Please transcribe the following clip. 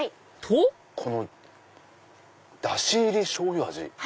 このだし入りしょうゆ味。